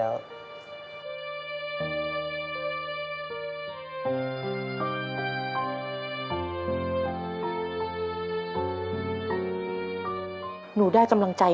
แล้วผมจัดการมันเยอะแล้ว